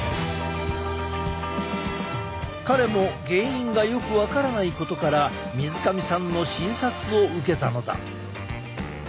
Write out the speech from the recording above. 彼も原因がよく分からないことから水上さんの診察を受けたのだ。